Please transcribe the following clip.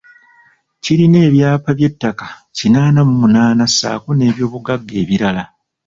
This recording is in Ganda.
Kirina ebyapa by’ettaka kinaana mu munaana ssaako n’ebyobugagga ebirala.